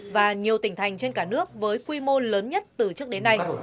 và nhiều tỉnh thành trên cả nước với quy mô lớn nhất từ trước đến nay